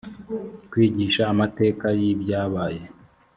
kwigisha amateka y ibyabaye